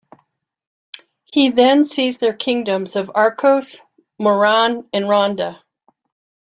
He then seized their kingdoms of Arcos, Moron, and Ronda.